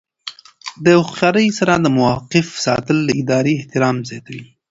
د هوښیارۍ سره د موقف ساتل د ادارې احترام زیاتوي.